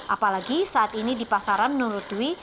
apalagi saat ini di pasaran menurut dwi